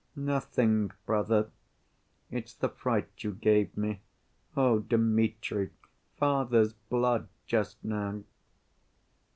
"Nothing, brother—it's the fright you gave me. Oh, Dmitri! Father's blood just now."